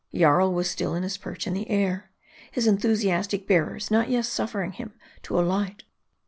Jarl was still in his perch in the air ; his enthusiastic bearers not yet suffering him to alight.